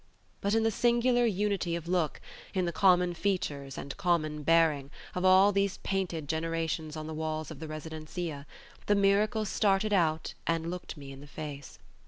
But in the singular unity of look, in the common features and common bearing, of all these painted generations on the walls of the residencia, the miracle started out and looked me in the face.